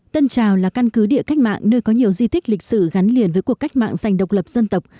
tân trào là căn cứ địa cách mạng nơi có nhiều di tích lịch sử gắn liền với cuộc cách mạng giành độc lập dân tộc